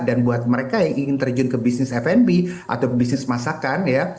dan buat mereka yang ingin terjun ke bisnis fnb atau bisnis masakan ya